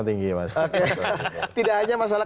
tinggi ya mas oke tidak hanya masalah